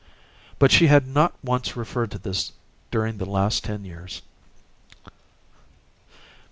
But she had not once referred to this during the last ten years.